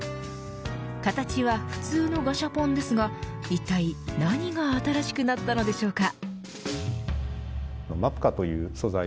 形は普通のガシャポンですがいったい何が新しくなったのでしょうか。